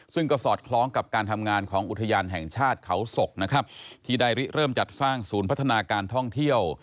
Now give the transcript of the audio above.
ซึ่งก็สอดคล้องกับการทำงานของอุทยานแห่งชาติเขาศกนะครับที่ได้ริเริ่มจัดสร้างศูนย์พัฒนาการท่องเที่ยว